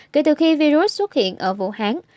kể từ khi virus xuất hiện ở vũ hán